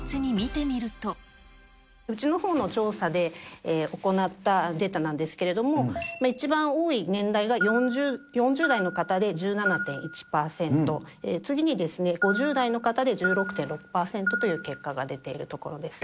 うちのほうの調査で、行ったデータなんですけれども、一番多い年代が４０代の方で１７．１％、次にですね、５０代の方で１６．６％という結果が出ているところです。